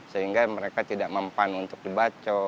sehingga mereka tidak mempan untuk dibaco